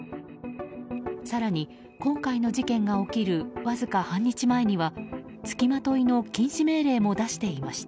更に、今回の事件が起きるわずか半日前にはつきまといの禁止命令も出していました。